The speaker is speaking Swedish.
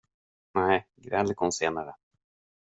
Nej, grälet kom senare.